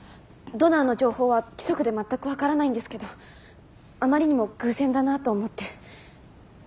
ドナーの情報は規則でまったく分からないんですけどあまりにも偶然だなと思って。